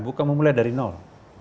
bukan memulai dari nol